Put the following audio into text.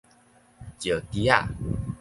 石磯仔